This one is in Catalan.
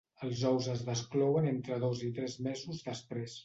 Els ous es desclouen entre dos i tres mesos després.